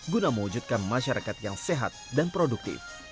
guna mewujudkan masyarakat yang sehat dan produktif